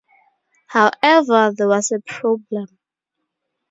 However, there was a problem.